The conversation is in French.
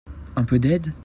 Un peu d'aide ?